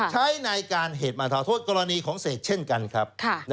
ใช้ในการเหตุมาทาโทษกรณีของเศษเช่นกันครับ